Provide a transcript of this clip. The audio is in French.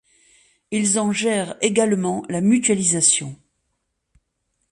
Ils en gèrent également la mutualisation.